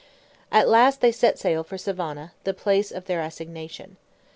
At last they set sail for Savona, the place of their assignation.